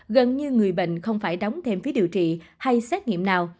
gần như người bệnh không phải đóng thêm phí điều trị hay xét nghiệm nào